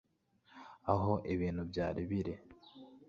aho ibintu byari biri